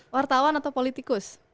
wartawan atau politikus